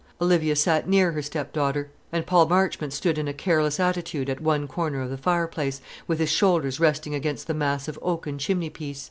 Olivia sat near her stepdaughter; and Paul Marchmont stood in a careless attitude at one corner of the fireplace, with his shoulders resting against the massive oaken chimneypiece.